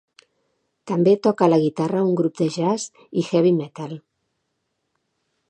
També toca la guitarra a un grup de jazz i heavy metal.